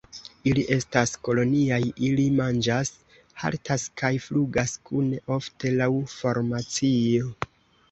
Ili estas koloniaj; ili manĝas, haltas kaj flugas kune, ofte laŭ formacio.